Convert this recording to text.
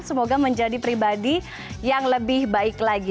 semoga menjadi pribadi yang lebih baik lagi